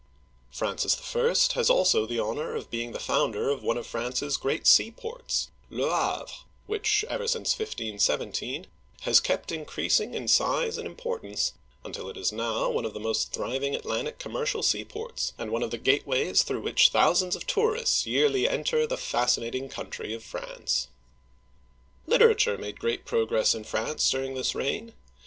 Francis I. has also the honor of being the founder of one of France's great seaports, Le Havre (le av'r'), which ever Digitized by Google 238 OLD FRANCE since 1517 has kept increasing in size and importance, until it is now one of the most thriving Atlantic com mercial seaports, and one of the gateways through which thousands of tourists yearly enter the fascinating country of France. Castle of Chambord. Literature made great progress in France during this reign.